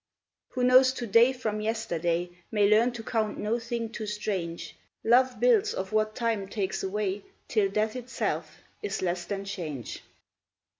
Who knows to day from yesterday May learn to count no thing too strange: Love builds of what Time takes away, Till Death itself is less than Change.